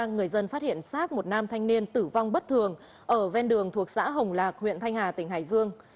người dân phát hiện xác một nam thanh niên tử vong bất thường ở ven đường thuộc xã hồng lạc huyện thanh hà tỉnh hải dương